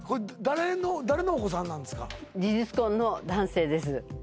誰のお子さんなんですか事実婚の男性です